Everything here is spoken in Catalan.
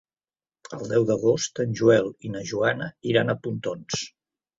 El deu d'agost en Joel i na Joana iran a Pontons.